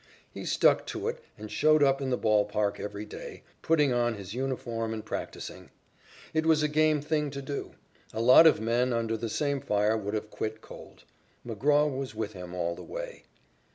He stuck to it and showed up in the ball park every day, putting on his uniform and practising. It was a game thing to do. A lot of men, under the same fire, would have quit cold. McGraw was with him all the way.